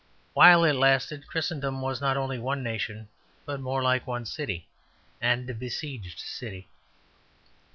While it lasted Christendom was not only one nation but more like one city and a besieged city.